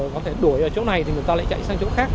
có thể đuổi ở chỗ này thì người ta lại chạy sang chỗ khác